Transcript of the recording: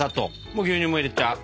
もう牛乳も入れちゃう。